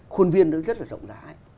khuôn viên nó rất là rộng rãi